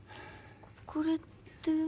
これって。